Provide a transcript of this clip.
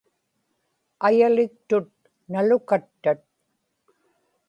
ayaliktut nalukattat